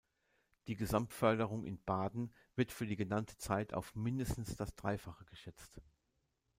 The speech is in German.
Die Gesamtförderung in Baden wird für die genannte Zeit auf mindestens das Dreifache geschätzt.